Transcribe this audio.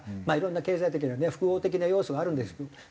まあいろんな経済的なね複合的な要素があるんですけど。